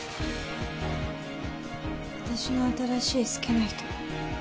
私の新しい好きな人。